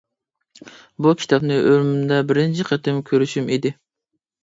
بۇ كىتابنى ئۆمرۈمدە بىرىنچى قېتىم كۆرۈشۈم ئىدى.